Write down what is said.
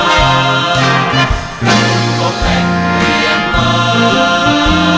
ทุกคนก็แข็งเวียงมาก